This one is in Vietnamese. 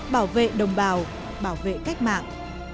bảo vệ đồng bào bảo vệ cách mạng